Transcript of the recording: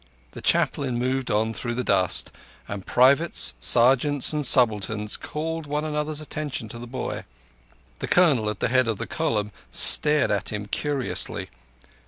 The Chaplain moved on through the dust, and privates, sergeants, and subalterns called one another's attention to the boy. The Colonel, at the head of the column, stared at him curiously.